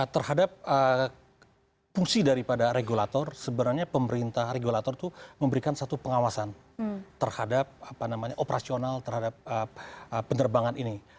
terhadap fungsi daripada regulator sebenarnya pemerintah regulator itu memberikan satu pengawasan terhadap operasional terhadap penerbangan ini